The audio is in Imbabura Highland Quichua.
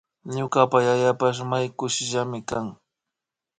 Ñukapa yayapash may kushillami kan